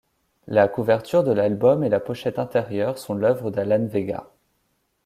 La couverture de l'album et la pochette intérieure sont l'oeuvre d'Alan Vega.